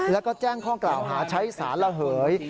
แล้วก็แจ้งข้อกล่าวหาใช้สารระเหย